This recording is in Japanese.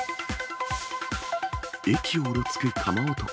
駅をうろつく鎌男。